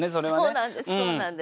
そうなんです。